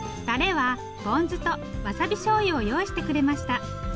たれはぽん酢とわさびしょうゆを用意してくれました。